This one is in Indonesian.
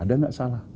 ada nggak salah